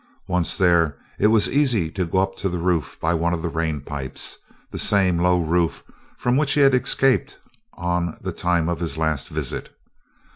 Once there, it was easy to go up to the roof by one of the rain pipes, the same low roof from which he had escaped on the time of his last visit.